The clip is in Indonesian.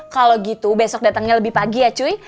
kalo gitu besok datengnya lebih pagi ya cuy